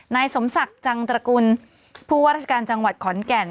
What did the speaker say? นายสมศักดิ์จังตระกุลผู้ว่าราชการจังหวัดขอนแก่น